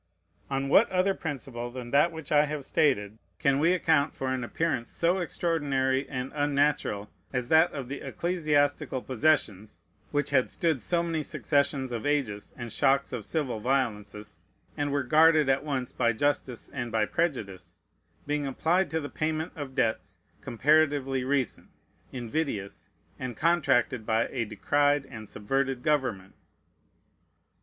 On what other principle than that which I have stated can we account for an appearance so extraordinary and unnatural as that of the ecclesiastical possessions, which had stood so many successions of ages and shocks of civil violences, and were guarded at once by justice and by prejudice, being applied to the payment of debts comparatively recent, invidious, and contracted by a decried and subverted government?